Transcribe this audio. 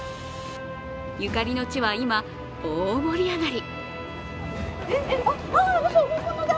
ゆかりの地は今、大盛り上がり。